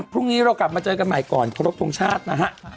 พรุ่งนี้เรากลับมาเจอกันใหม่ก่อนครบทรงชาตินะฮะ